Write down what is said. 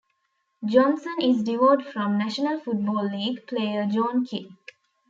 Johnson is divorced from National Football League player John Kidd.